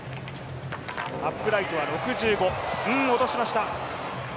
アップライトは６５、落としました。